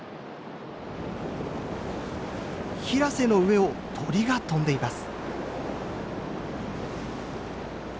平瀬の上を鳥が飛んでいます。